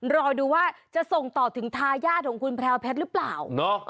รอดูว่าจะส่งต่อถึงทายาทของคุณแพรวแพทย์หรือเปล่า